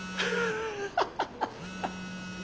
ハハハハ。